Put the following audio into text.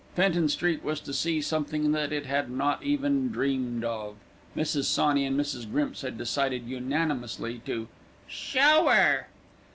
Fenton Street was to see something that it had not even dreamed of. Mrs. Sawney and Mrs. Grimps had decided unanimously to "show 'er."